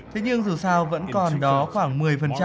thế nhưng dù sao vẫn không có những vật thể bay lạ